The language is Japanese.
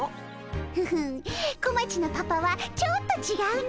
フフッこまちのパパはちょっとちがうの。